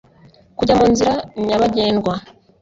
kujya munzira nyabagendwa.